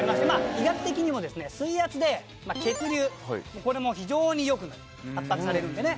医学的にもですね水圧で血流これも非常に良くなる圧迫されるんでね。